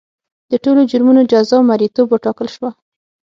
د ټولو جرمونو جزا مریتوب وټاکل شوه.